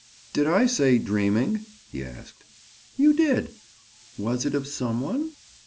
"Did I say dreaming?" he asked. "You did. Was it of some one?"